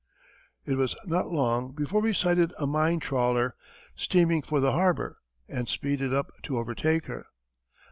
It was not long before we sighted a mine trawler, steaming for the harbour, and speeded up to overtake her.